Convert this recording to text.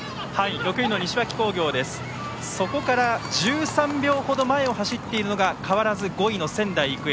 ６位の西脇工業ですがそこから１３秒程前を走っているのが変わらず５位の仙台育英。